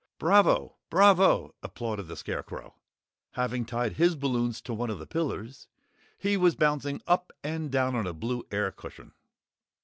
"Bravo! Bravo!" applauded the Scarecrow. Having tied his balloons to one of the pillars, he was bouncing up and down on a blue air cushion.